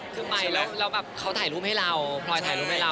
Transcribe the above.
คือไปแล้วแบบเขาถ่ายรูปให้เราพลอยถ่ายรูปให้เรา